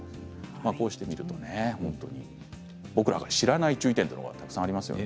こうして見ると本当に僕らが知らない注意点がたくさんありますね。